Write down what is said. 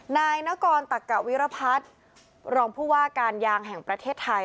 นายนกรตักกะวิรพัฒน์รองผู้ว่าการยางแห่งประเทศไทย